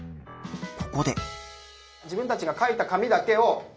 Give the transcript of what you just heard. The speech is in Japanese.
ここで。